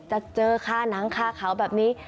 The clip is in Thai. จะเจอฆ่านังฆ่าเข่าแบบนี้